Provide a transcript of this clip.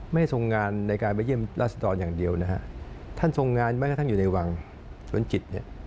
ไม่ทรงงานในการไปเยี่ยมราชดรอย่างเดียวนะฮะท่านทรงงานแม้กระทั่งอยู่ในวังสวนจิตเนี่ย